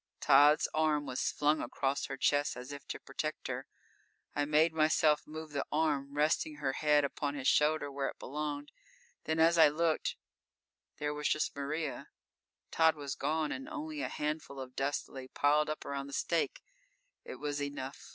Tod's arm was flung across her chest, as if to protect her. I made myself move the arm, resting her head upon his shoulder, where it belonged. Then, as I looked, there was just Maria. Tod was gone and only a handful of dust lay piled up around the stake. It was enough.